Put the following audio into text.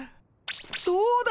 そうだ！